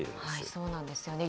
そうなんですよね。